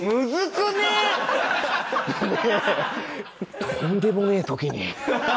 とんでもねえ時に。